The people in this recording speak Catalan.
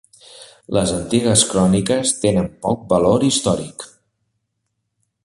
Les antigues cròniques tenen poc valor històric.